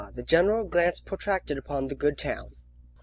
The general glance protracted upon the good town.